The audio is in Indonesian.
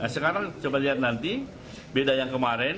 sekarang coba lihat nanti beda yang kemarin